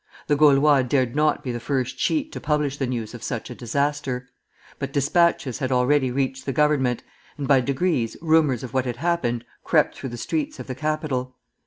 The "Gaulois" dared not be the first sheet to publish the news of such a disaster; but despatches had already reached the Government, and by degrees rumors of what had happened crept through the streets of the capital.